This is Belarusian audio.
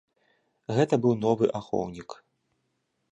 Гэта быў новы ахоўнік.